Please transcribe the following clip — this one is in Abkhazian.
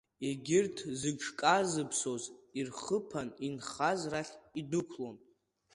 Егьырҭ, зыҽказыԥсоз ирхыԥан, инхаз рахь идәықәлон.